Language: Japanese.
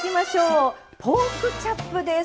ポークチャップです。